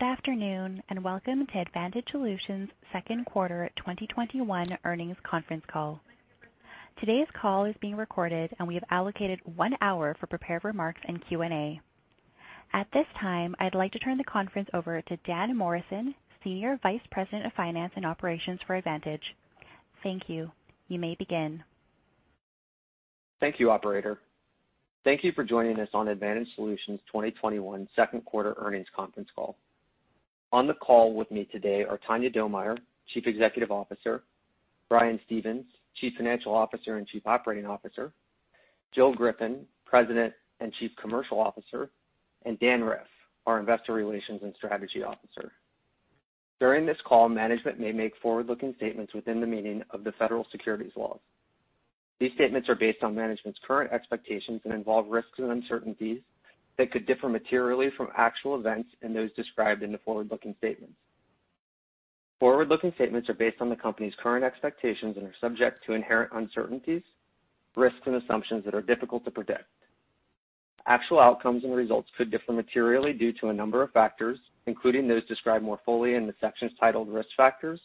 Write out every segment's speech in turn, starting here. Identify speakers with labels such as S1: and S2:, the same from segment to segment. S1: Good afternoon, welcome to Advantage Solutions' second quarter 2021 earnings conference call. Today's call is being recorded, and we have allocated one hour for prepared remarks and Q&A. At this time, I'd like to turn the conference over to Dan Morrison, Senior Vice President of Finance and Operations for Advantage. Thank you. You may begin.
S2: Thank you, operator. Thank you for joining us on Advantage Solutions' 2021 second quarter earnings conference call. On the call with me today are Tanya Domier, Chief Executive Officer, Brian Stevens, Chief Financial Officer and Chief Operating Officer, Jill Griffin, President and Chief Commercial Officer, and Dan Riff, our Investor Relations and Strategy Officer. During this call, management may make forward-looking statements within the meaning of the federal securities laws. These statements are based on management's current expectations and involve risks and uncertainties that could differ materially from actual events and those described in the forward-looking statements. Forward-looking statements are based on the company's current expectations and are subject to inherent uncertainties, risks, and assumptions that are difficult to predict. Actual outcomes and results could differ materially due to a number of factors, including those described more fully in the sections titled Risk Factors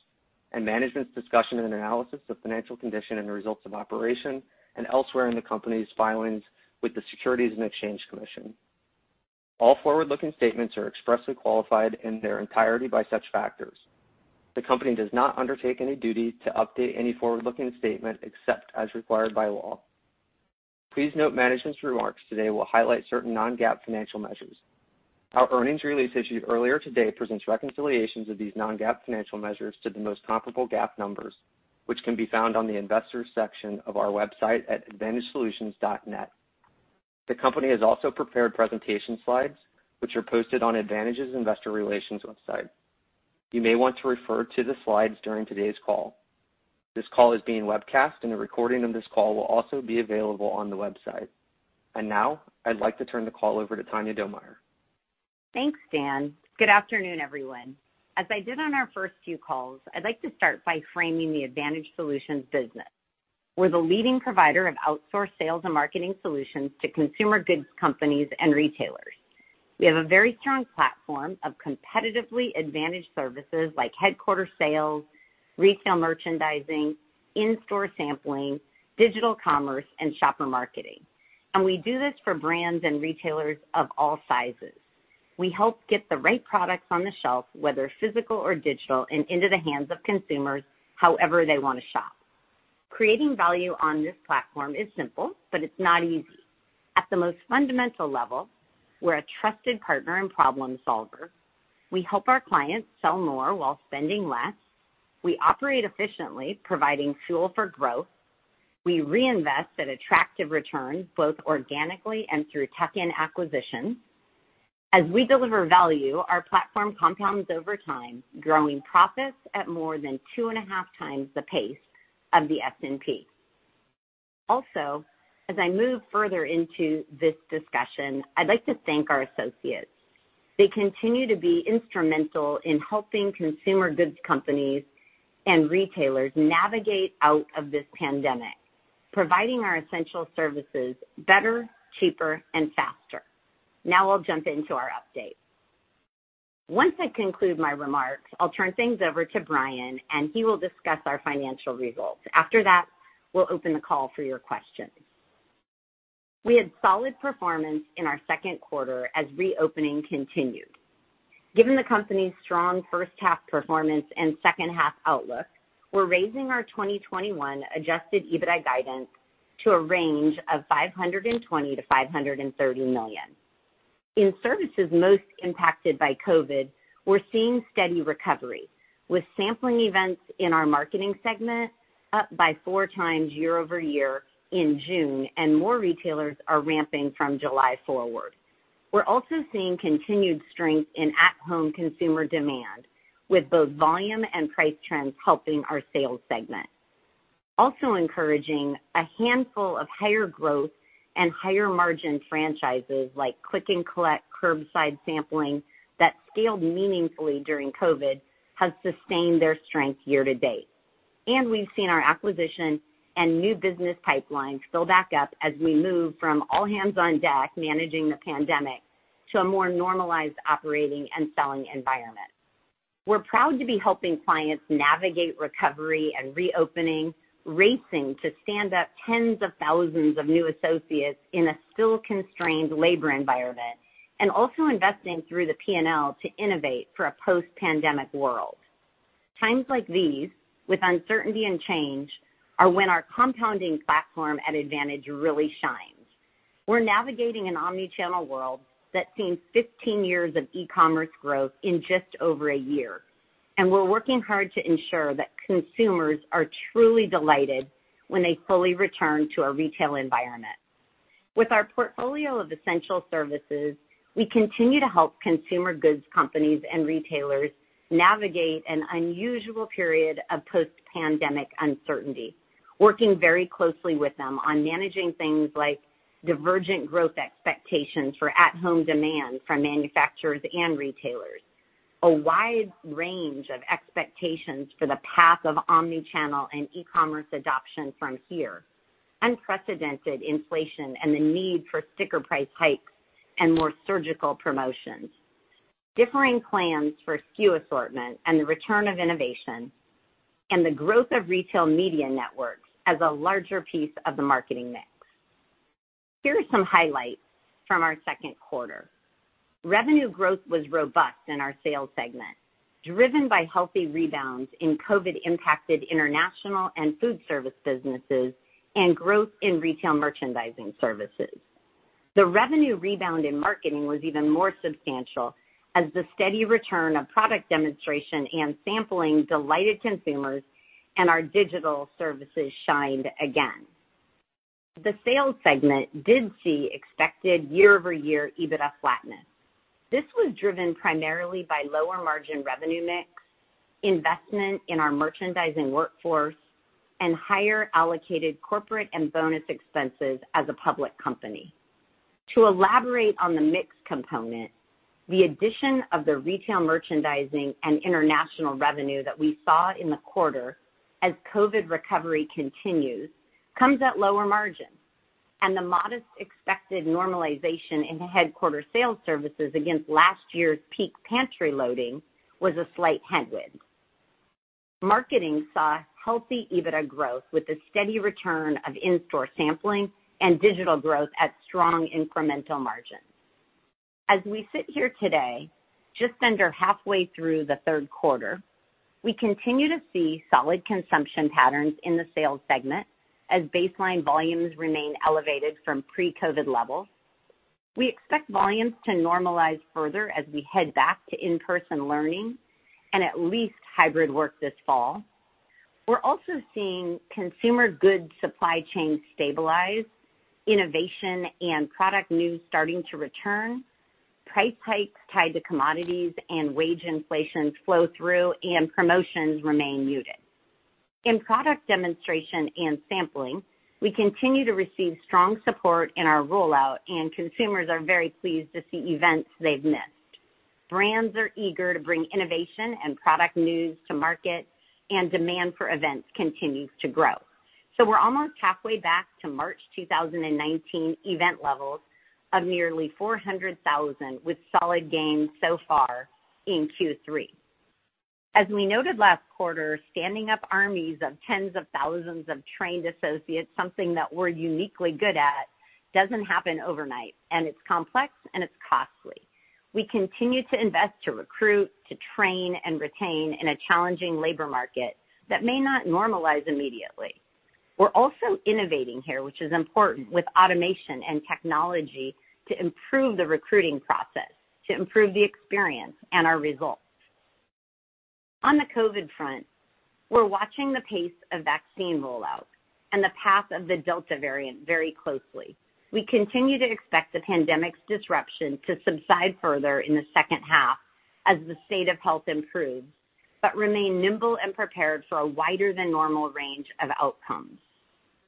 S2: and Management's Discussion and Analysis of Financial Condition and Results of Operation and elsewhere in the company's filings with the Securities and Exchange Commission. All forward-looking statements are expressly qualified in their entirety by such factors. The company does not undertake any duty to update any forward-looking statement except as required by law. Please note management's remarks today will highlight certain non-GAAP financial measures. Our earnings release issued earlier today presents reconciliations of these non-GAAP financial measures to the most comparable GAAP numbers, which can be found on the Investors section of our website at advantagesolutions.net. The company has also prepared presentation slides, which are posted on Advantage's investor relations website. You may want to refer to the slides during today's call. This call is being webcast, and a recording of this call will also be available on the website. Now I'd like to turn the call over to Tanya Domier.
S3: Thanks, Dan. Good afternoon, everyone. As I did on our first few calls, I'd like to start by framing the Advantage Solutions business. We're the leading provider of outsourced sales and marketing solutions to consumer goods companies and retailers. We have a very strong platform of competitively advantaged services like headquarter sales, retail merchandising, in-store sampling, digital commerce, and shopper marketing. We do this for brands and retailers of all sizes. We help get the right products on the shelf, whether physical or digital, and into the hands of consumers however they want to shop. Creating value on this platform is simple, but it's not easy. At the most fundamental level, we're a trusted partner and problem solver. We help our clients sell more while spending less. We operate efficiently, providing fuel for growth. We reinvest at attractive returns, both organically and through tuck-in acquisitions. As we deliver value, our platform compounds over time, growing profits at more than 2.5x the pace of the S&P. Also, as I move further into this discussion, I'd like to thank our associates. They continue to be instrumental in helping consumer goods companies and retailers navigate out of this pandemic, providing our essential services better, cheaper, and faster. Now I'll jump into our update. Once I conclude my remarks, I'll turn things over to Brian, and he will discuss our financial results. After that, we'll open the call for your questions. We had solid performance in our second quarter as reopening continued. Given the company's strong first half performance and second half outlook, we're raising our 2021 adjusted EBITDA guidance to a range of $520 million-$530 million. In services most impacted by COVID, we're seeing steady recovery, with sampling events in our marketing segment up by 4x year-over-year in June, and more retailers are ramping from July forward. We're also seeing continued strength in at-home consumer demand, with both volume and price trends helping our sales segment. Also encouraging, a handful of higher growth and higher margin franchises like click and collect curbside sampling that scaled meaningfully during COVID has sustained their strength year-to-date. We've seen our acquisition and new business pipeline fill back up as we move from all hands on deck managing the pandemic to a more normalized operating and selling environment. We're proud to be helping clients navigate recovery and reopening, racing to stand up tens of thousands of new associates in a still constrained labor environment and also investing through the P&L to innovate for a post-pandemic world. Times like these, with uncertainty and change, are when our compounding platform at Advantage really shines. We're navigating an omni-channel world that's seen 15 years of e-commerce growth in just over one year. We're working hard to ensure that consumers are truly delighted when they fully return to a retail environment. With our portfolio of essential services, we continue to help consumer goods companies and retailers navigate an unusual period of post-pandemic uncertainty, working very closely with them on managing things like divergent growth expectations for at-home demand from manufacturers and retailers, a wide range of expectations for the path of omnichannel and e-commerce adoption from here. Unprecedented inflation and the need for sticker price hikes and more surgical promotions, differing plans for SKU assortment and the return of innovation, and the growth of retail media networks as a larger piece of the marketing mix. Here are some highlights from our second quarter. Revenue growth was robust in our sales segment, driven by healthy rebounds in COVID-impacted international and food service businesses and growth in retail merchandising services. The revenue rebound in marketing was even more substantial as the steady return of product demonstration and sampling delighted consumers and our digital services shined again. The sales segment did see expected year-over-year EBITDA flatness. This was driven primarily by lower margin revenue mix, investment in our merchandising workforce, and higher allocated corporate and bonus expenses as a public company. To elaborate on the mix component, the addition of the retail merchandising and international revenue that we saw in the quarter, as COVID recovery continues, comes at lower margins, and the modest expected normalization in headquarter sales services against last year's peak pantry loading was a slight headwind. Marketing saw healthy EBITDA growth with the steady return of in-store sampling and digital growth at strong incremental margins. As we sit here today, just under halfway through the third quarter, we continue to see solid consumption patterns in the sales segment as baseline volumes remain elevated from pre-COVID levels. We expect volumes to normalize further as we head back to in-person learning and at least hybrid work this fall. We're also seeing consumer goods supply chains stabilize, innovation and product news starting to return, price hikes tied to commodities and wage inflation flow through and promotions remain muted. In product demonstration and sampling, we continue to receive strong support in our rollout, and consumers are very pleased to see events they've missed. Brands are eager to bring innovation and product news to market, and demand for events continues to grow. We're almost halfway back to March 2019 event levels of nearly 400,000 with solid gains so far in Q3. As we noted last quarter, standing up armies of tens of thousands of trained associates, something that we're uniquely good at, doesn't happen overnight, and it's complex and it's costly. We continue to invest to recruit, to train and retain in a challenging labor market that may not normalize immediately. We're also innovating here, which is important, with automation and technology to improve the recruiting process, to improve the experience and our results. On the COVID front, we're watching the pace of vaccine rollouts and the path of the Delta variant very closely. We continue to expect the pandemic's disruption to subside further in the second half as the state of health improves, but remain nimble and prepared for a wider than normal range of outcomes.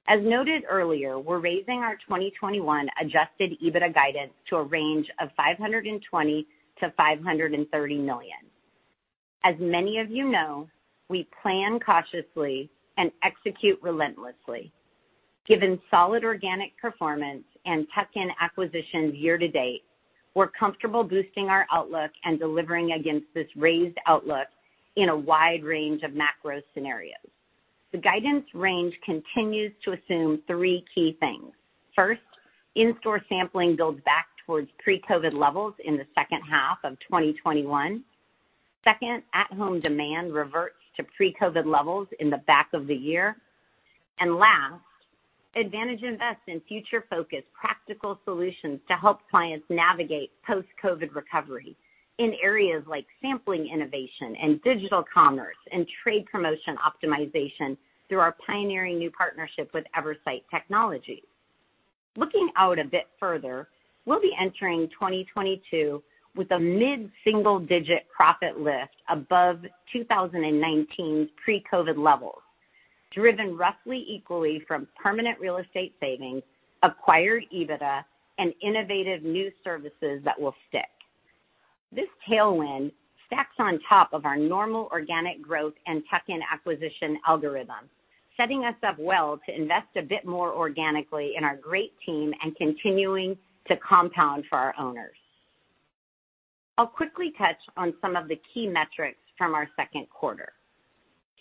S3: As noted earlier, we're raising our 2021 adjusted EBITDA guidance to a range of $520 million-$530 million. As many of you know, we plan cautiously and execute relentlessly. Given solid organic performance and tuck-in acquisitions year-to-date, we're comfortable boosting our outlook and delivering against this raised outlook in a wide range of macro scenarios. The guidance range continues to assume three key things. First, in-store sampling builds back towards pre-COVID levels in the second half of 2021. Second, at-home demand reverts to pre-COVID levels in the back of the year. Last, Advantage invests in future-focused practical solutions to help clients navigate post-COVID recovery in areas like sampling innovation and digital commerce and trade promotion optimization through our pioneering new partnership with Eversight technologies. Looking out a bit further, we'll be entering 2022 with a mid-single-digit profit lift above 2019's pre-COVID levels, driven roughly equally from permanent real estate savings, acquired EBITDA, and innovative new services that will stick. This tailwind stacks on top of our normal organic growth and tuck-in acquisition algorithm, setting us up well to invest a bit more organically in our great team and continuing to compound for our owners. I'll quickly touch on some of the key metrics from our second quarter.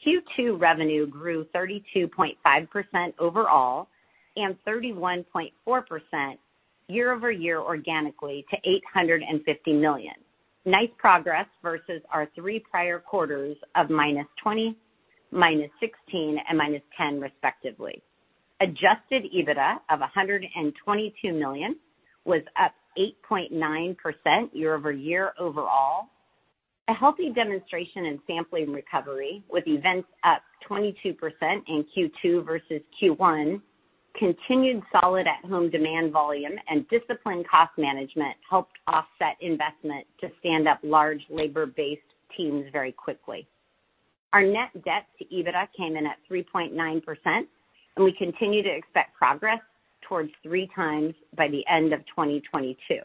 S3: Q2 revenue grew 32.5% overall and 31.4% year-over-year organically to $850 million. Nice progress versus our three prior quarters of -20%, -16%, and -10%, respectively. Adjusted EBITDA of $122 million was up 8.9% year-over-year overall. A healthy demonstration in sampling recovery with events up 22% in Q2 versus Q1, continued solid at-home demand volume, and disciplined cost management helped offset investment to stand up large labor-based teams very quickly. Our net debt to EBITDA came in at 3.9%, and we continue to expect progress towards 3x by the end of 2022.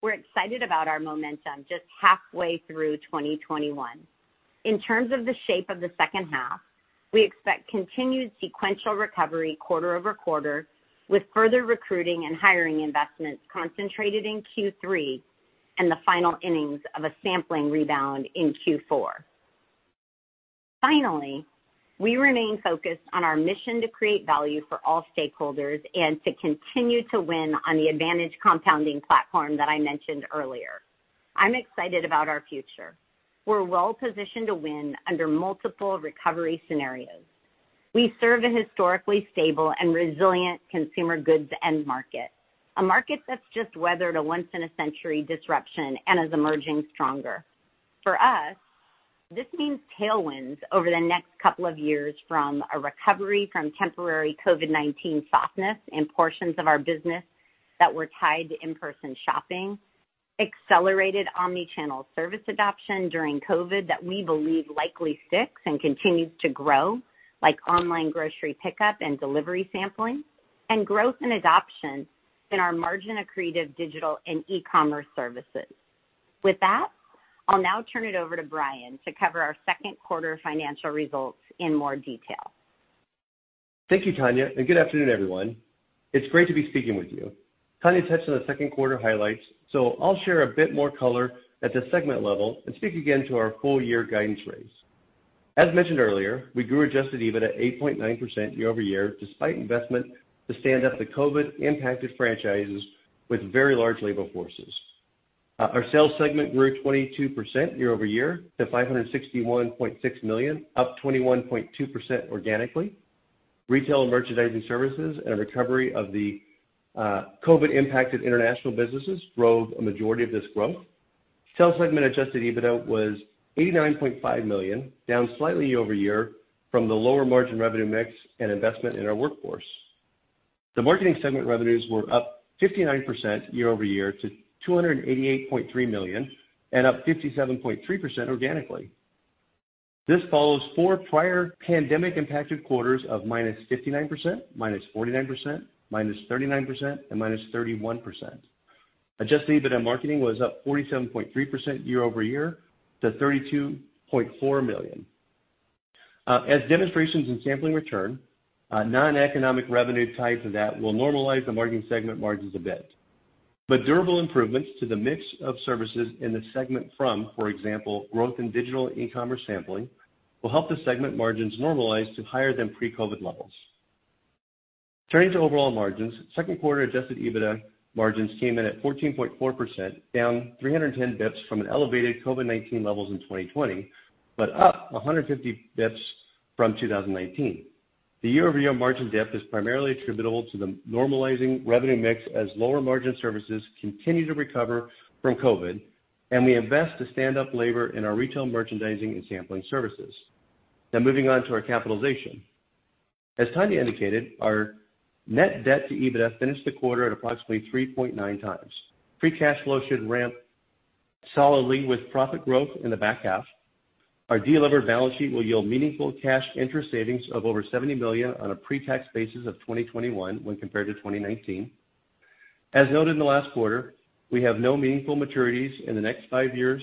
S3: We're excited about our momentum just halfway through 2021. In terms of the shape of the second half, we expect continued sequential recovery quarter-over-quarter, with further recruiting and hiring investments concentrated in Q3, and the final innings of a sampling rebound in Q4. We remain focused on our mission to create value for all stakeholders and to continue to win on the Advantage compounding platform that I mentioned earlier. I'm excited about our future. We're well positioned to win under multiple recovery scenarios. We serve a historically stable and resilient consumer goods end market, a market that's just weathered a once in a century disruption and is emerging stronger. For us, this means tailwinds over the next couple of years from a recovery from temporary COVID-19 softness in portions of our business that were tied to in-person shopping, accelerated omni-channel service adoption during COVID that we believe likely sticks and continues to grow, like online grocery pickup and delivery sampling, and growth in adoption in our margin accretive digital and e-commerce services. With that, I'll now turn it over to Brian to cover our second quarter financial results in more detail.
S4: Thank you, Tanya. Good afternoon, everyone. It's great to be speaking with you. Tanya touched on the second quarter highlights, so I'll share a bit more color at the segment level and speak again to our full year guidance range. As mentioned earlier, we grew adjusted EBIT at 8.9% year-over-year, despite investment to stand up the COVID impacted franchises with very large labor forces. Our Sales segment grew 22% year-over-year to $561.6 million, up 21.2% organically. Retail and merchandising services and a recovery of the COVID impacted international businesses drove a majority of this growth. Sales segment adjusted EBITDA was $89.5 million, down slightly year-over-year from the lower margin revenue mix and investment in our workforce. The Marketing segment revenues were up 59% year-over-year to $288.3 million and up 57.3% organically. This follows four prior pandemic impacted quarters of -59%, -49%, -39%, and -31%. Adjusted EBITDA marketing was up 47.3% year-over-year to $32.4 million. As demonstrations in sampling return, non-economic revenue types of that will normalize the marketing segment margins a bit. Durable improvements to the mix of services in the segment from, for example, growth in digital e-commerce sampling, will help the segment margins normalize to higher than pre-COVID levels. Turning to overall margins, second quarter adjusted EBITDA margins came in at 14.4%, down 310 basis points from an elevated COVID-19 levels in 2020, but up 150 basis points from 2019. The year-over-year margin dip is primarily attributable to the normalizing revenue mix as lower margin services continue to recover from COVID, and we invest to stand up labor in our retail merchandising and sampling services. Moving on to our capitalization. As Tanya indicated, our net debt to EBITDA finished the quarter at approximately 3.9x. Free cash flow should ramp solidly with profit growth in the back half. Our de-levered balance sheet will yield meaningful cash interest savings of over $70 million on a pre-tax basis of 2021 when compared to 2019. As noted in the last quarter, we have no meaningful maturities in the next five years,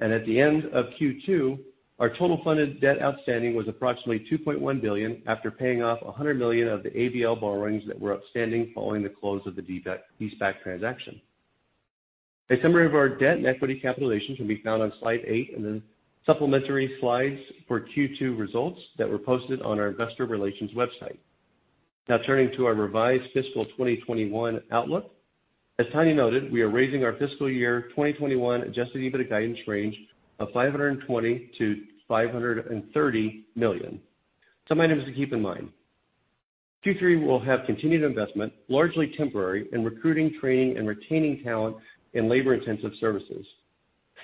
S4: and at the end of Q2, our total funded debt outstanding was approximately $2.1 billion after paying off $100 million of the ABL borrowings that were outstanding following the close of the leaseback transaction. A summary of our debt and equity capitalization can be found on slide eight in the supplementary slides for Q2 results that were posted on our investor relations website. Turning to our revised fiscal 2021 outlook. As Tanya noted, we are raising our fiscal year 2021 adjusted EBITDA guidance range of $520 million-$530 million. Some items to keep in mind. Q3 will have continued investment, largely temporary, in recruiting, training, and retaining talent in labor intensive services.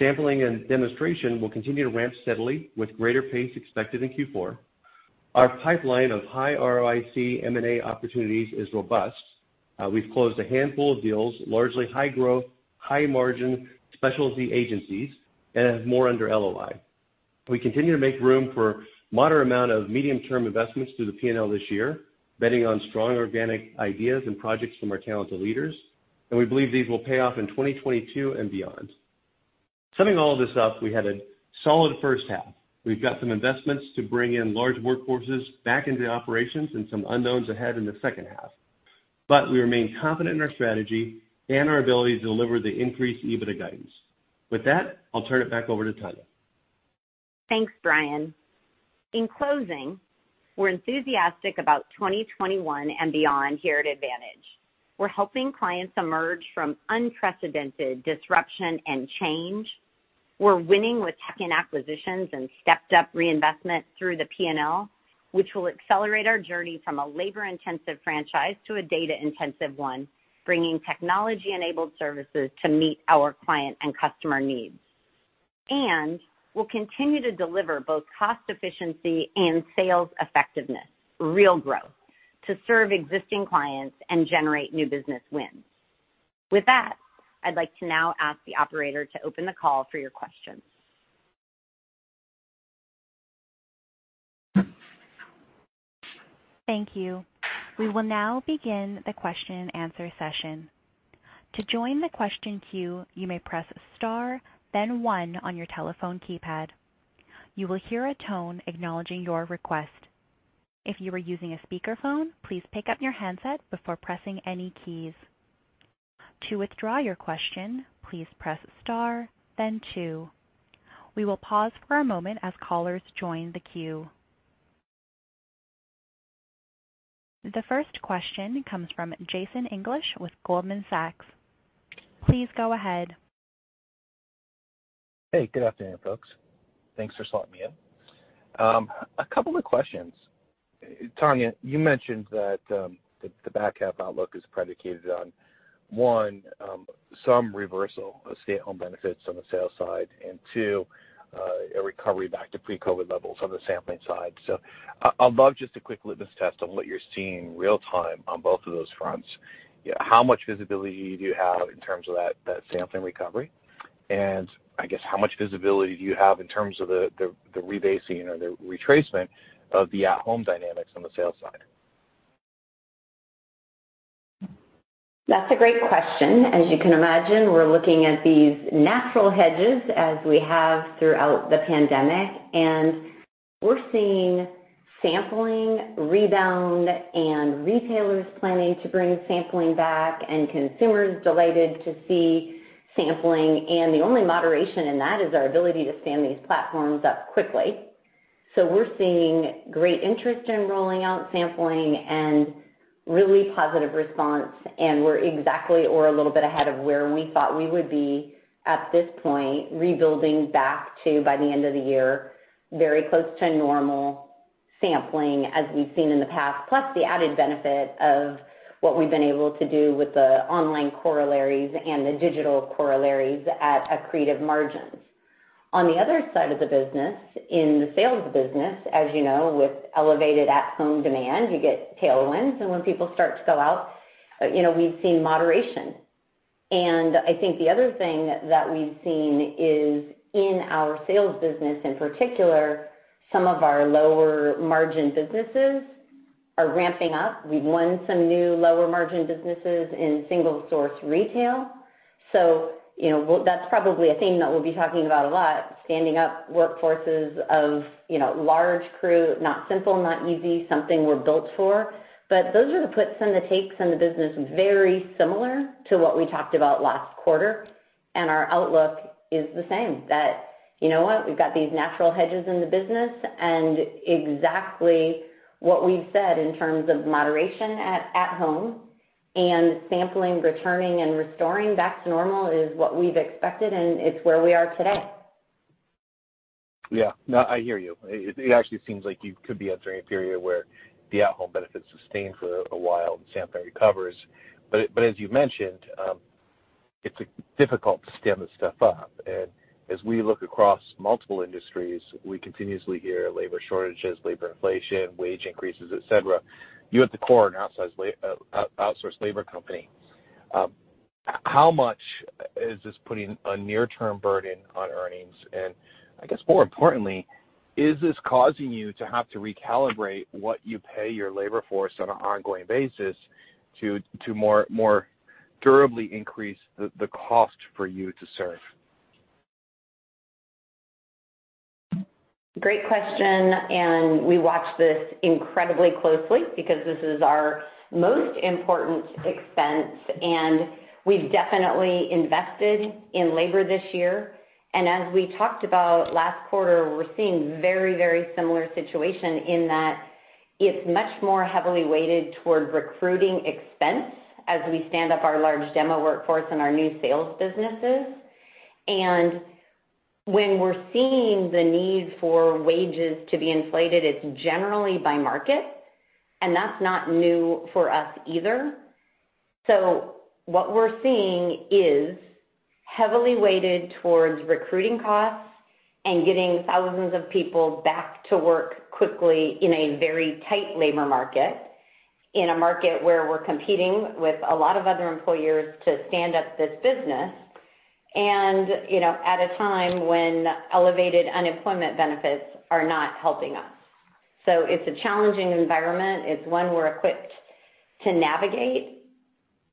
S4: Sampling and demonstration will continue to ramp steadily with greater pace expected in Q4. Our pipeline of high ROIC M&A opportunities is robust. We've closed a handful of deals, largely high growth, high margin specialty agencies, and have more under LOI. We continue to make room for moderate amount of medium-term investments through the P&L this year, betting on strong organic ideas and projects from our talented leaders, and we believe these will pay off in 2022 and beyond. Summing all this up, we had a solid first half. We've got some investments to bring in large workforces back into the operations and some unknowns ahead in the second half, but we remain confident in our strategy and our ability to deliver the increased EBITDA guidance. With that, I'll turn it back over to Tanya.
S3: Thanks, Brian. In closing, we're enthusiastic about 2021 and beyond here at Advantage. We're helping clients emerge from unprecedented disruption and change. We're winning with tuck-in acquisitions and stepped up reinvestment through the P&L, which will accelerate our journey from a labor intensive franchise to a data intensive one, bringing technology enabled services to meet our client and customer needs. We'll continue to deliver both cost efficiency and sales effectiveness, real growth, to serve existing clients and generate new business wins. With that, I'd like to now ask the operator to open the call for your questions.
S1: Thank you. We will now begin the question and answer session. To join the question queue, you may press star then one on your telephone keypad. You will hear a tone acknowledging your request. If you are using a speakerphone, please pick up your handset before pressing any keys. To withdraw your question, please press star then two. We will pause for a moment as callers join the queue. The first question comes from Jason English with Goldman Sachs. Please go ahead.
S5: Hey, good afternoon, folks. Thanks for slotting me in. A couple of questions. Tanya, you mentioned that the back half outlook is predicated on, one, some reversal of stay-at-home benefits on the sales side, and two, a recovery back to pre-COVID levels on the sampling side. I'd love just a quick litmus test on what you're seeing real time on both of those fronts. How much visibility do you have in terms of that sampling recovery? I guess how much visibility do you have in terms of the rebasing or the retracement of the at-home dynamics on the sales side?
S3: That's a great question. As you can imagine, we're looking at these natural hedges as we have throughout the pandemic, and we're seeing sampling rebound and retailers planning to bring sampling back and consumers delighted to see sampling. The only moderation in that is our ability to stand these platforms up quickly. We're seeing great interest in rolling out sampling and really positive response, and we're exactly or a little bit ahead of where we thought we would be at this point, rebuilding back to, by the end of the year, very close to normal sampling as we've seen in the past, plus the added benefit of what we've been able to do with the online corollaries and the digital corollaries at accretive margins. On the other side of the business, in the sales business, as you know, with elevated at-home demand, you get tailwinds. When people start to go out, we've seen moderation. I think the other thing that we've seen is in our sales business, in particular, some of our lower margin businesses are ramping up. We've won some new lower margin businesses in single source retail. That's probably a theme that we'll be talking about a lot, standing up workforces of large crew, not simple, not easy, something we're built for. Those are the puts and the takes in the business, very similar to what we talked about last quarter. Our outlook is the same, that you know what? We've got these natural hedges in the business and exactly what we've said in terms of moderation at home and sampling returning and restoring back to normal is what we've expected, and it's where we are today.
S5: Yeah. No, I hear you. It actually seems like you could be entering a period where the at-home benefits sustain for a while and sampling recovers. As you mentioned, it's difficult to stand this stuff up. As we look across multiple industries, we continuously hear labor shortages, labor inflation, wage increases, et cetera. You at the core are an outsourced labor company. How much is this putting a near-term burden on earnings? I guess more importantly, is this causing you to have to recalibrate what you pay your labor force on an ongoing basis to more durably increase the cost for you to serve?
S3: Great question. We watch this incredibly closely because this is our most important expense, and we've definitely invested in labor this year. As we talked about last quarter, we're seeing very similar situation in that it's much more heavily weighted toward recruiting expense as we stand up our large demo workforce and our new sales businesses. When we're seeing the need for wages to be inflated, it's generally by market, and that's not new for us either. What we're seeing is heavily weighted towards recruiting costs and getting thousands of people back to work quickly in a very tight labor market, in a market where we're competing with a lot of other employers to stand up this business and at a time when elevated unemployment benefits are not helping us. It's a challenging environment. It's one we're equipped to navigate,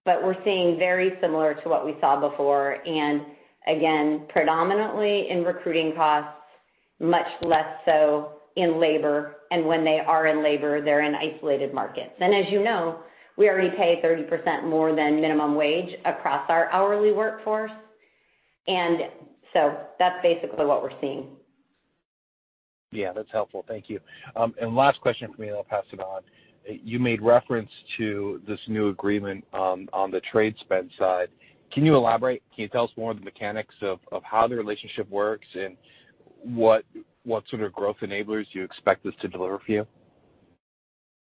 S3: but we're seeing very similar to what we saw before, and again, predominantly in recruiting costs, much less so in labor. When they are in labor, they're in isolated markets. As you know, we already pay 30% more than minimum wage across our hourly workforce. That's basically what we're seeing.
S5: Yeah, that's helpful. Thank you. Last question from me, and I'll pass it on. You made reference to this new agreement on the trade spend side. Can you elaborate? Can you tell us more on the mechanics of how the relationship works and what sort of growth enablers you expect this to deliver for you?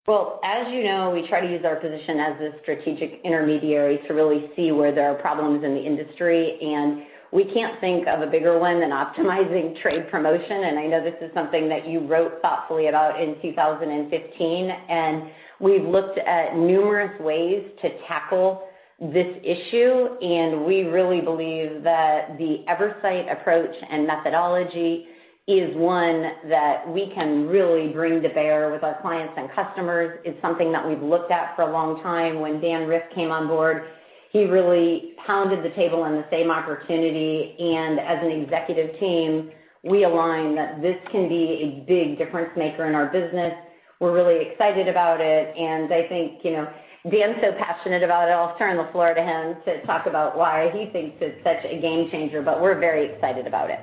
S3: Well, as you know, we try to use our position as a strategic intermediary to really see where there are problems in the industry, and we can't think of a bigger one than optimizing trade promotion. I know this is something that you wrote thoughtfully about in 2015, and we've looked at numerous ways to tackle this issue, and we really believe that the Eversight approach and methodology is one that we can really bring to bear with our clients and customers. It's something that we've looked at for a long time. When Dan Riff came on board, he really pounded the table on the same opportunity, and as an executive team, we align that this can be a big difference maker in our business. We're really excited about it, and I think Dan's so passionate about it, I'll turn the floor to him to talk about why he thinks it's such a game changer, but we're very excited about it.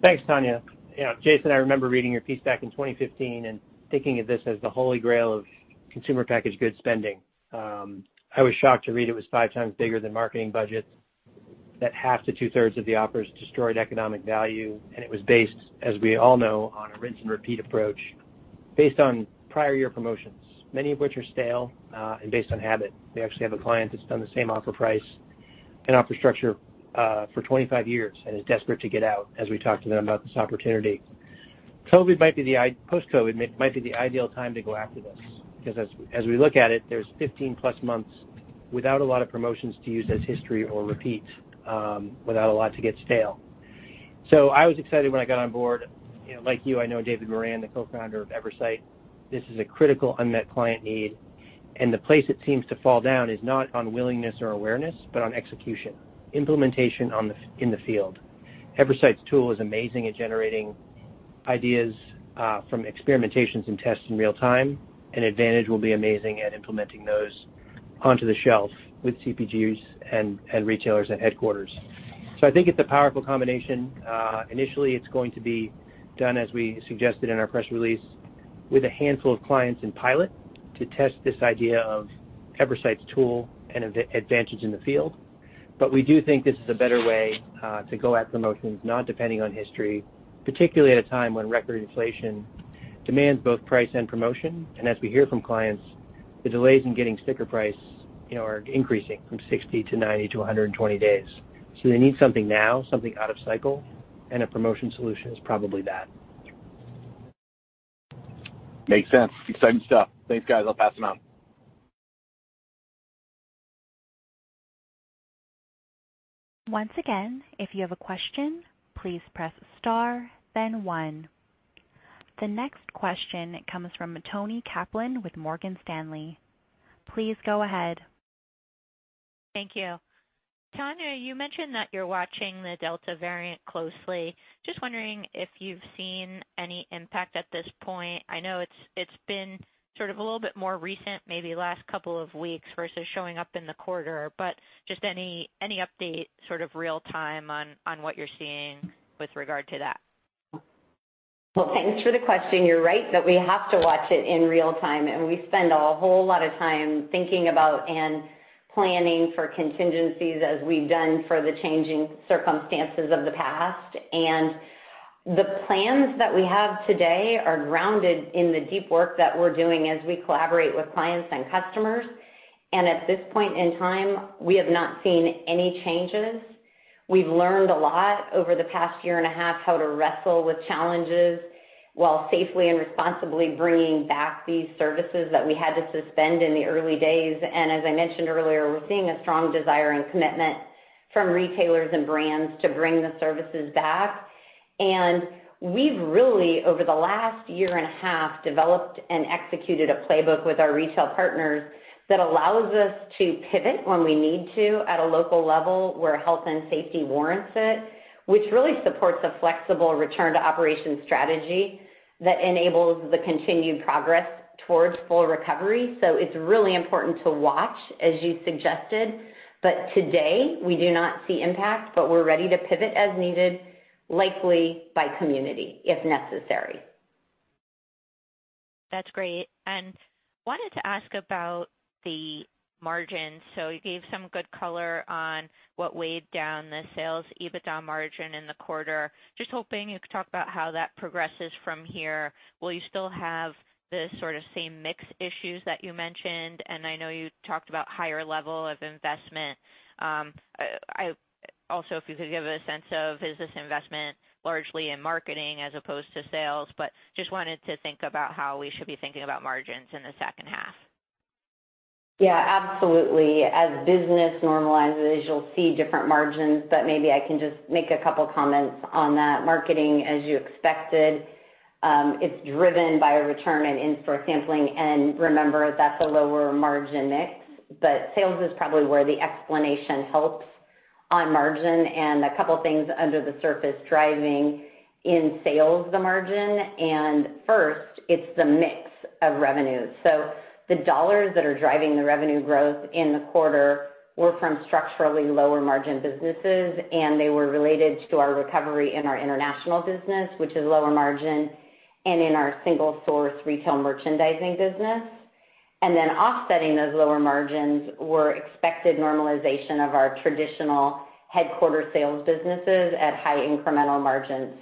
S6: Thanks, Tanya. Jason, I remember reading your piece back in 2015 and thinking of this as the holy grail of Consumer Packaged Goods spending. I was shocked to read it was 5x bigger than marketing budgets, that half to 2/3 of the offers destroyed economic value, and it was based, as we all know, on a rinse and repeat approach based on prior year promotions, many of which are stale, and based on habit. We actually have a client that's done the same offer price and offer structure for 25 years and is desperate to get out as we talk to them about this opportunity. Post-COVID-19 might be the ideal time to go after this, because as we look at it, there's 15+ months without a lot of promotions to use as history or repeat, without a lot to get stale. I was excited when I got on board. Like you, I know David Moran, the Co-Founder of Eversight. This is a critical unmet client need, and the place it seems to fall down is not on willingness or awareness, but on execution, implementation in the field. Eversight's tool is amazing at generating ideas from experimentations and tests in real time, and Advantage will be amazing at implementing those onto the shelf with CPGs and retailers at headquarters. I think it's a powerful combination. Initially, it's going to be done, as we suggested in our press release, with a handful of clients in pilot to test this idea of Eversight's tool and Advantage in the field. We do think this is a better way to go at promotions, not depending on history, particularly at a time when record inflation demands both price and promotion. As we hear from clients, the delays in getting sticker price are increasing from 60 to 90 to 120 days. They need something now, something out of cycle, and a promotion solution is probably that.
S5: Makes sense. Exciting stuff. Thanks, guys. I'll pass them out.
S1: Once again, if you have a question, please press star then one. The next question comes from Toni Kaplan with Morgan Stanley. Please go ahead.
S7: Thank you. Tanya, you mentioned that you're watching the Delta variant closely. Just wondering if you've seen any impact at this point. I know it's been sort of a little bit more recent, maybe last couple of weeks versus showing up in the quarter, but just any update, sort of real time, on what you're seeing with regard to that?
S3: Well, thanks for the question. You're right that we have to watch it in real time, and we spend a whole lot of time thinking about and planning for contingencies as we've done for the changing circumstances of the past. The plans that we have today are grounded in the deep work that we're doing as we collaborate with clients and customers. At this point in time, we have not seen any changes. We've learned a lot over the past year and a half how to wrestle with challenges while safely and responsibly bringing back these services that we had to suspend in the early days. As I mentioned earlier, we're seeing a strong desire and commitment from retailers and brands to bring the services back. We've really, over the last year and a half, developed and executed a playbook with our retail partners that allows us to pivot when we need to at a local level where health and safety warrants it, which really supports a flexible return to operation strategy that enables the continued progress towards full recovery. It's really important to watch, as you suggested, but today, we do not see impact, but we're ready to pivot as needed, likely by community if necessary.
S7: That's great. Wanted to ask about the margins. You gave some good color on what weighed down the sales EBITDA margin in the quarter. Just hoping you could talk about how that progresses from here. Will you still have the sort of same mix issues that you mentioned? I know you talked about higher level of investment. Also, if you could give a sense of, is this investment largely in marketing as opposed to sales? Just wanted to think about how we should be thinking about margins in the second half.
S3: Yeah, absolutely. As business normalizes, you'll see different margins, but maybe I can just make a couple comments on that. Marketing, as you expected, it's driven by a return in in-store sampling, and remember, that's a lower margin mix. Sales is probably where the explanation helps on margin and a couple things under the surface driving in sales the margin. First, it's the mix of revenues. The dollars that are driving the revenue growth in the quarter were from structurally lower margin businesses, and they were related to our recovery in our international business, which is lower margin, and in our single source retail merchandising business. Then offsetting those lower margins were expected normalization of our traditional headquarter sales businesses at high incremental margins.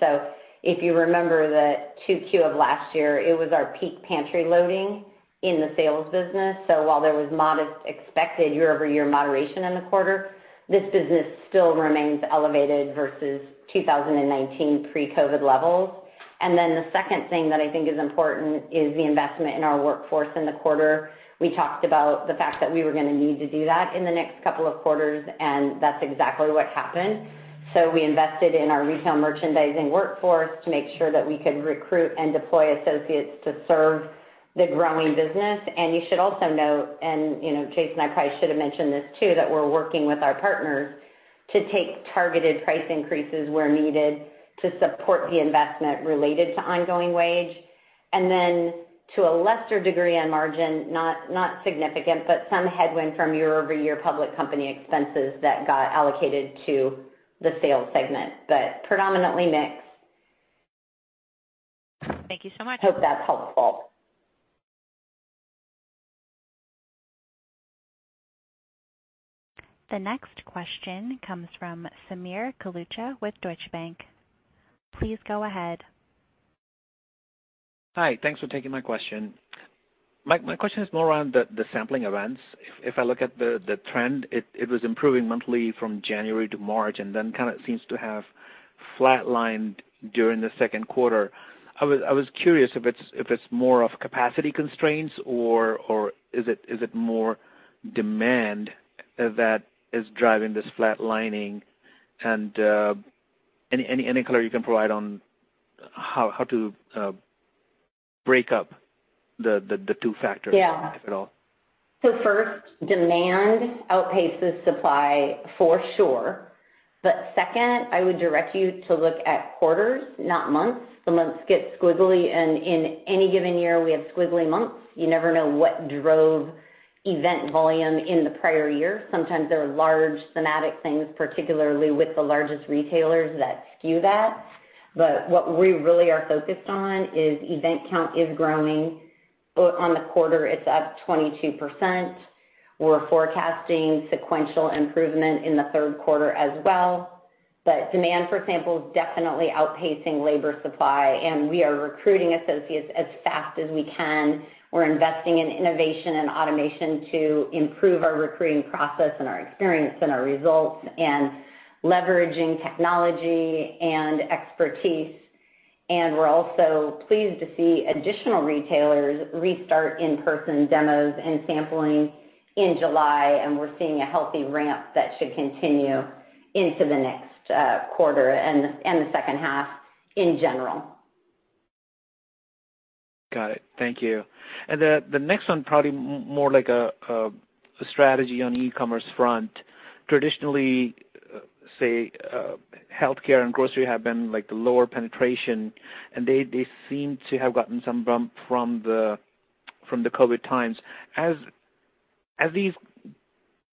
S3: If you remember the 2Q of last year, it was our peak pantry loading in the sales business. While there was modest expected year-over-year moderation in the quarter, this business still remains elevated versus 2019 pre-COVID levels. The second thing that I think is important is the investment in our workforce in the quarter. We talked about the fact that we were going to need to do that in the next couple of quarters, and that's exactly what happened. We invested in our retail merchandising workforce to make sure that we could recruit and deploy associates to serve the growing business. You should also note, Jason, I probably should have mentioned this too, that we're working with our partners to take targeted price increases where needed to support the investment related to ongoing wage, and then to a lesser degree on margin, not significant, but some headwind from year-over-year public company expenses that got allocated to the sales segment, but predominantly mix.
S7: Thank you so much.
S3: Hope that's helpful.
S1: The next question comes from Sameer Kalucha with Deutsche Bank. Please go ahead.
S8: Hi. Thanks for taking my question. My question is more around the sampling events. If I look at the trend, it was improving monthly from January to March, then kind of seems to have flatlined during the second quarter. I was curious if it's more of capacity constraints or is it more demand that is driving this flatlining? Any color you can provide on how to break up the two factors?
S3: Yeah
S8: if at all.
S3: First, demand outpaces supply for sure. Second, I would direct you to look at quarters, not months. The months get squiggly, and in any given year, we have squiggly months. You never know what drove event volume in the prior year. Sometimes there are large thematic things, particularly with the largest retailers that skew that. What we really are focused on is event count is growing. On the quarter, it's up 22%. We're forecasting sequential improvement in the third quarter as well. Demand for samples definitely outpacing labor supply, and we are recruiting associates as fast as we can. We're investing in innovation and automation to improve our recruiting process and our experience and our results and leveraging technology and expertise. We're also pleased to see additional retailers restart in-person demos and sampling in July, and we're seeing a healthy ramp that should continue into the next quarter and the second half in general.
S8: Got it. Thank you. The next one, probably more like a strategy on e-commerce front. Traditionally, say, healthcare and grocery have been the lower penetration, and they seem to have gotten some bump from the COVID times. As these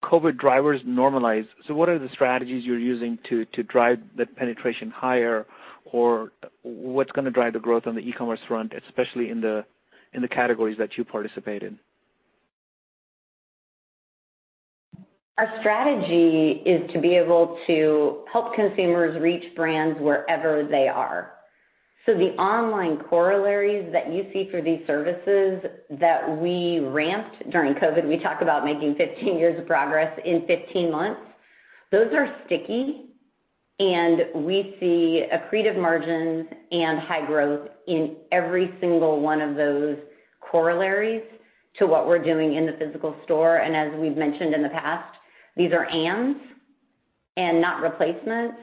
S8: COVID drivers normalize, what are the strategies you're using to drive the penetration higher? What's going to drive the growth on the e-commerce front, especially in the categories that you participate in?
S3: Our strategy is to be able to help consumers reach brands wherever they are. The online corollaries that you see for these services that we ramped during COVID, we talk about making 15 years of progress in 15 months. Those are sticky, and we see accretive margins and high growth in every single one of those corollaries to what we're doing in the physical store. As we've mentioned in the past, these are ands and not replacements.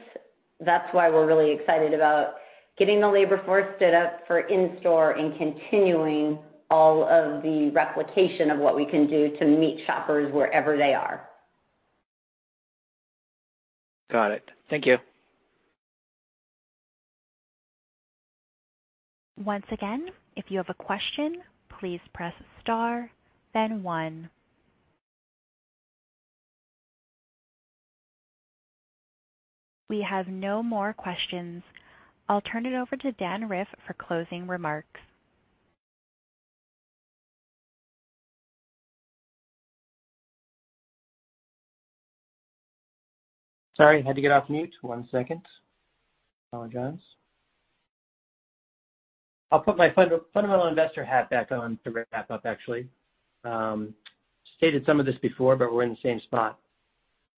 S3: That's why we're really excited about getting the labor force stood up for in-store and continuing all of the replication of what we can do to meet shoppers wherever they are.
S8: Got it. Thank you.
S1: Once again, if you have a question, please press star then one. We have no more questions. I'll turn it over to Dan Riff for closing remarks.
S6: Sorry, had to get off mute. One second. Apologize. I'll put my fundamental investor hat back on to wrap up, actually. Stated some of this before, but we're in the same spot.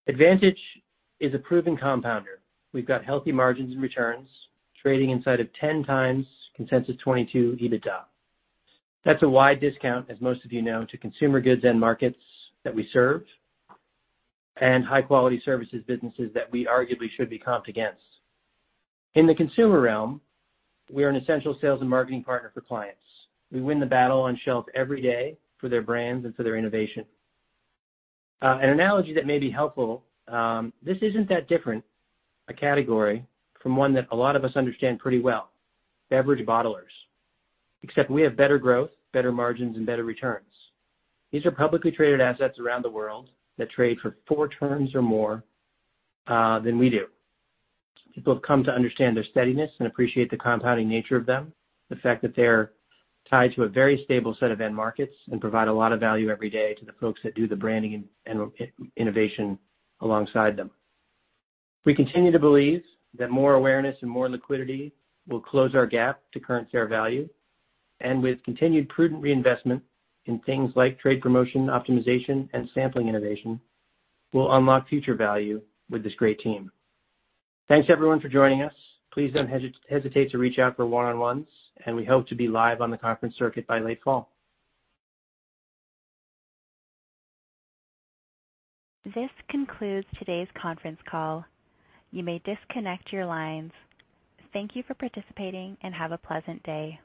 S6: Advantage is a proven compounder. We've got healthy margins and returns trading inside of 10x consensus 2022 EBITDA. That's a wide discount, as most of you know, to consumer goods end markets that we serve and high-quality services businesses that we arguably should be comped against. In the consumer realm, we are an essential sales and marketing partner for clients. We win the battle on shelf every day for their brands and for their innovation. An analogy that may be helpful, this isn't that different a category from one that a lot of us understand pretty well, beverage bottlers. Except we have better growth, better margins, and better returns. These are publicly traded assets around the world that trade for four turns or more than we do. People have come to understand their steadiness and appreciate the compounding nature of them, the fact that they're tied to a very stable set of end markets and provide a lot of value every day to the folks that do the branding and innovation alongside them. We continue to believe that more awareness and more liquidity will close our gap to current share value. With continued prudent reinvestment in things like trade promotion optimization and sampling innovation, we'll unlock future value with this great team. Thanks everyone for joining us. Please don't hesitate to reach out for one-on-ones, and we hope to be live on the conference circuit by late fall.
S1: This concludes today's conference call. You may disconnect your lines. Thank you for participating and have a pleasant day.